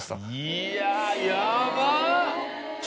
いやヤバっ！